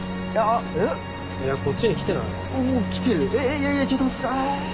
いやいやちょっと待って。